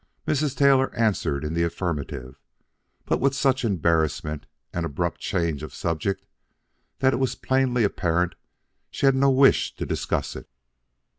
Mrs. Taylor answered in the affirmative, but with such embarrassment and abrupt change of subject that it was plainly apparent she had no wish to discuss it.